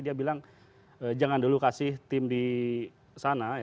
dia bilang jangan dulu kasih tim di sana